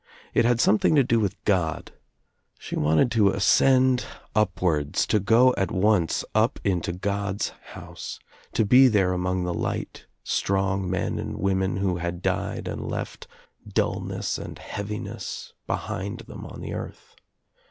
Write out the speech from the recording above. It had something to do with God. She wanted to ascend upwards, to go at once up into God's house, to be there among the light strong men and women who 238 THE TRIUMPH OP THE EGG , had died and left dullness and heaviness behind them I on the earth.